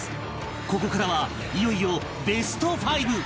ここからはいよいよベスト５